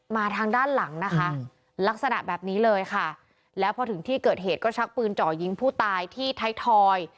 มาทางด้านหลังนะคะลักษณะแบบนี้เลยค่ะแล้วพอถึงที่เกิดเหตุก็ชักปืนเจาะยิงผู้ตายที่ไทยทอย